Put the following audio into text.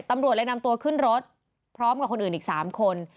ตำรวจเลยนำตัวขึ้นรถพร้อมกับคนอื่นอีก๓คน